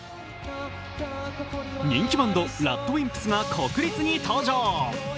人気バンドＲＡＤＷＩＭＰＳが国立に登場。